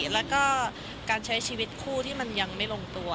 แล้วก็การใช้ชีวิตคู่ที่มันยังไม่ลงตัว